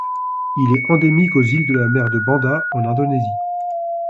Il est endémique aux îles de la mer de Banda en Indonésie.